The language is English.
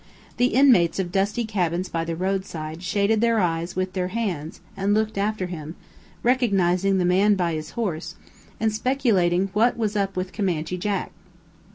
The inmates of dusty cabins by the roadside shaded their eyes with their hands and looked after him, recognizing the man by his horse, and speculating what "was up with Comanche Jack."